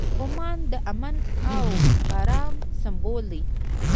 عمان د امن او ارام سمبول دی.